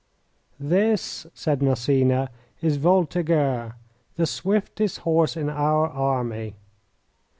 "This," said Massena, "is Voltigeur, the swiftest horse in our army.